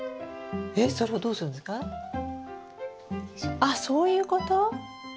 あそういうこと？